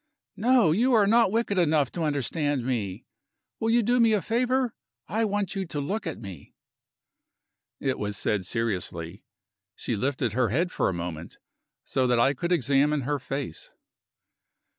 "No! You are not wicked enough to understand me. Will you do me a favor? I want you to look at me." It was said seriously. She lifted her head for a moment, so that I could examine her face.